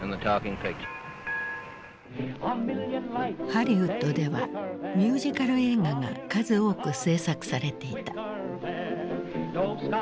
ハリウッドではミュージカル映画が数多く製作されていた。